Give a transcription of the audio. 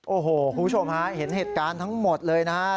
โอ้โหคุณผู้ชมฮะเห็นเหตุการณ์ทั้งหมดเลยนะฮะ